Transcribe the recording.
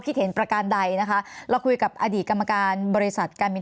คิดเห็นประการใดนะคะเราคุยกับอดีตกรรมการบริษัทการบิน